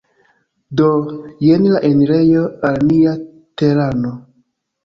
Do, jen la enirejo al nia tereno